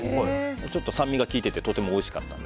ちょっと酸味が効いていてとてもおいしかったので。